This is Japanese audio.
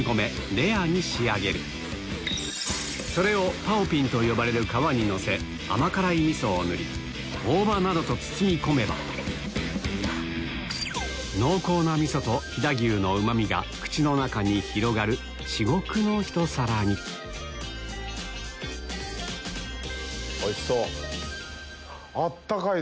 レアに仕上げるそれを包餅と呼ばれる皮にのせ甘辛い味噌を塗り大葉などと包み込めば濃厚な味噌と飛騨牛のうまみが口の中に広がる至極のひと皿においしそう！